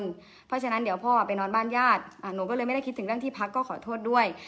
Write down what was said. เพราะฉะนั้นเดี๋ยวพ่อไปนอนบ้านญาติหนูก็เลยไม่ได้คิดถึงเรื่องที่พักก็ขอโทษด้วย